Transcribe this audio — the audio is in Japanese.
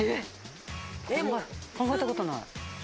考えたことない。